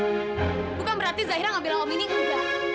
bukan berarti zagira gak bilang om ini enggak